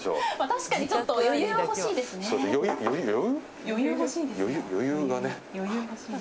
確かにちょっと余裕は欲しいですね。